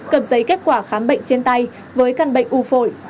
cập giấy kết quả khám bệnh trên tay với căn bệnh u phổi